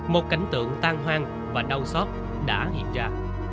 một cảnh tượng tan hoang và đau xót đã hiện ra